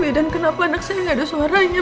wih dan kenapa anak sini nggak ada suaranya